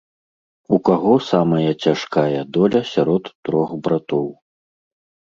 У каго самая цяжкая доля сярод трох братоў?